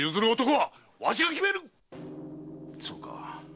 そうか。